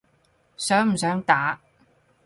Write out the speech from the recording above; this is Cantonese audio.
想唔想打？